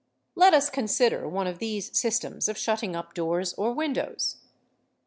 Let us consider one of these systems of shutting up doors or windows.